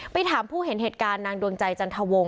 ถามผู้เห็นเหตุการณ์นางดวงใจจันทวงศ